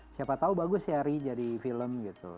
siapa tahu bagus ya ri jadi film gitu